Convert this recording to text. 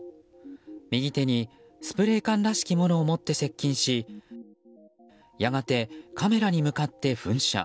右手にスプレー缶らしきものを持って接近しやがて、カメラに向かって噴射。